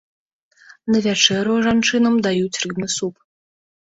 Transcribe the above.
На вячэру жанчынам даюць рыбны суп.